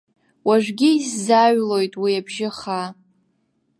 Уажәгьы исзааҩлоит уи абжьы хаа.